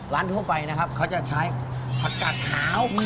ร้านทั่วไปนะครับเค้าจะใช้ผักกาดขาว